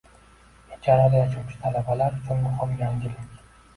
Ijarada yashovchi talabalar uchun muhim yangilik.